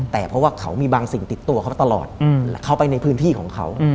แต่เพราะว่าเขามีบางสิ่งติดตัวเขามาตลอดเขาไปในพื้นที่ของเขา